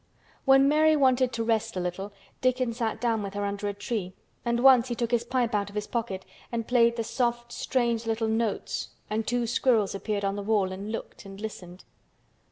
When Mary wanted to rest a little Dickon sat down with her under a tree and once he took his pipe out of his pocket and played the soft strange little notes and two squirrels appeared on the wall and looked and listened.